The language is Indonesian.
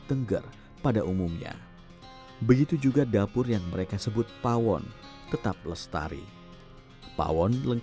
kami berdoa untuk orang orang yang berkembang